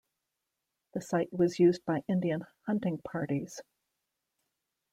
The site was used by Indian hunting parties.